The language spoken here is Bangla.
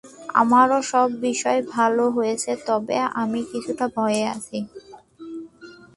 আমারও সব বিষয় ভাল হয়েছে, তবে আমি কিছুটা ভয় আছি।